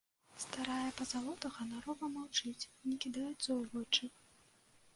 Старая пазалота ганарова маўчыць, не кідаецца ў вочы.